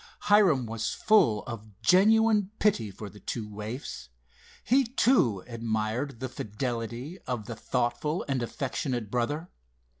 Hiram was full of genuine pity for the two waifs. He, too, admired the fidelity of the thoughtful and affectionate brother.